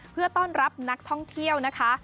เพื่อต้อนรับนักท่องเที่ยวนะคะ